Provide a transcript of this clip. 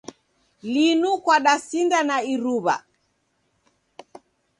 Linu kwadasinda na iruw'a.